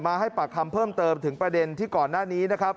ให้ปากคำเพิ่มเติมถึงประเด็นที่ก่อนหน้านี้นะครับ